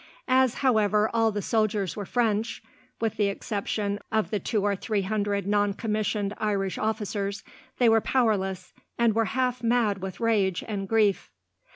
As, however, all the soldiers were French, with the exception of the two or three hundred noncommissioned Irish officers, they were powerless, and were half mad with rage and grief.